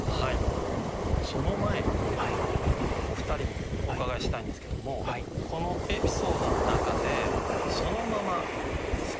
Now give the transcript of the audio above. その前にお二人にお伺いしたいんですけどもこのエピソードの中でそのまま使いたい言葉があるんですよ。